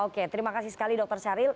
oke terima kasih sekali dr syaril